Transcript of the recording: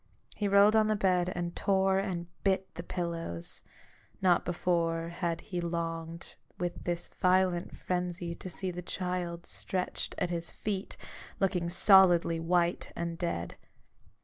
He rolled on the bed, and tore and bit the pillows : not before had he longed with this violent frenzy to see the child stretched at his feet, looking solidly white and dead.